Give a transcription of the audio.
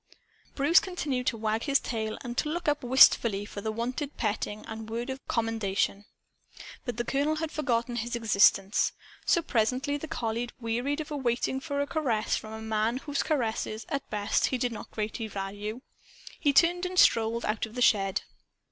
Bruce continued to wag his tail and to look up wistfully for the wonted petting and word of commendation. But the colonel had forgotten his existence. So presently the collie wearied of waiting for a caress from a man whose caresses, at best, he did not greatly value. He turned and strolled out of the shed.